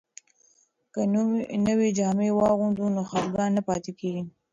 که نوې جامې واغوندو نو خپګان نه پاتې کیږي.